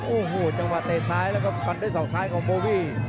โอ้โหจังหวะเตะซ้ายแล้วก็ฟันด้วยศอกซ้ายของโบวี่